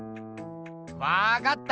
わかった！